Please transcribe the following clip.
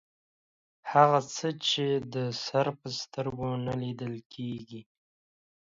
هغه څه چې د سر په سترګو نه لیدل کیږي